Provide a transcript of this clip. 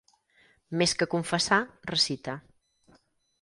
Més que confessar, recita.